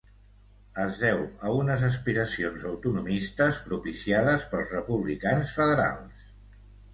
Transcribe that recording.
Es deu a unes aspiracions autonomistes propiciades pels republicans federals.